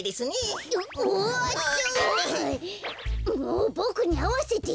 もうボクにあわせてよ。